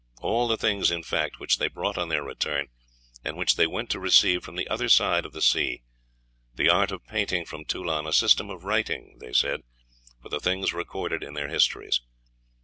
all the things, in fact, which they brought on their return, and which they went to receive from the other side of the sea the art of painting from Tulan, a system of writing, they said, for the things recorded in their histories."